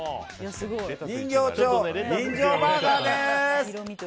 人形町人情バーガーです。